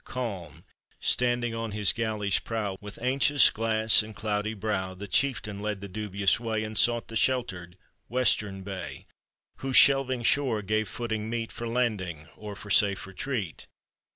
Calm, standing on his galley's prow, With anxious glance and cloudy brow, The chieftain led the dubious way, And sought the sheltered, western bay, Whose shelving shore gave footing meet For landing, or for safe retreat.